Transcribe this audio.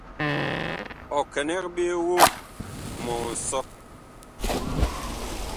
Ɔ kɛnɛg ɓe woŋ mɔ nsɔ.